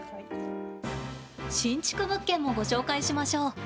新築物件もご紹介しましょう。